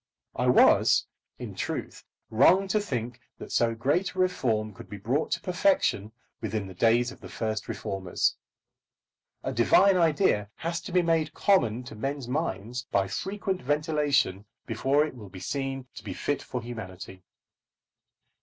I was, in truth, wrong to think that so great a reform could be brought to perfection within the days of the first reformers. A divine idea has to be made common to men's minds by frequent ventilation before it will be seen to be fit for humanity.